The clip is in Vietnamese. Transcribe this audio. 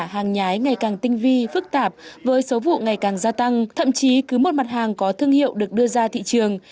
hàng nhái ngày càng tinh vi phức tạp với số vụ ngày càng gia tăng thậm chí cứ một mặt hàng có thương hiệu được đưa ra thị trường